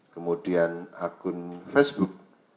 kemudian akun facebook